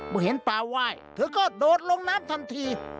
เมื่อเห็นปลาไหว้เธอก็โดดลงน้ำทันที